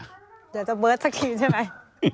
เดี๋ยวจะเบิร์ตสักทีใช่ไหม